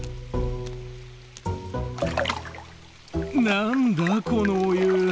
何だこのお湯！